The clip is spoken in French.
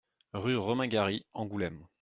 Rue Romain Gary, Angoulême